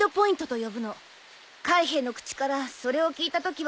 海兵の口からそれを聞いたときは耳を疑ったけど。